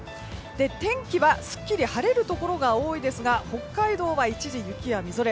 天気はすっきり晴れるところが多いですが北海道は一時、雪やみぞれ。